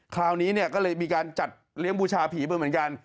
คราวนี้เนี่ยก็เลยมีการจัดเลี้ยงบูชาผีไปเหมือนกัน